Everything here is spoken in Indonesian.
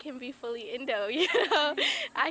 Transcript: saya bisa menjadi indosan sepenuhnya